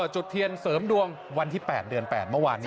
จุดเทียนเสริมดวงวันที่๘เดือน๘เมื่อวานนี้